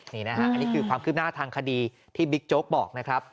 นี่นะฮะอันนี้คือความคืบหน้าทางคดีที่บิ๊กโจ๊กบอกนะครับ